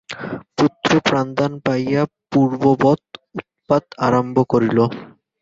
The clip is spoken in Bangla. পুত্র প্রাণদান পাইয়া পূর্ববং উৎপাত আরম্ভ করিল।